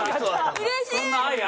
うれしい！